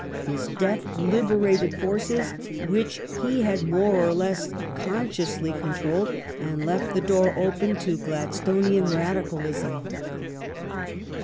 His death liberated forces which he had more or less consciously controlled, and left the door open to Gladstonian radicalism.